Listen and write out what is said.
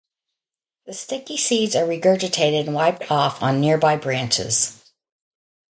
The sticky seeds are regurgitated and wiped off on nearby branches.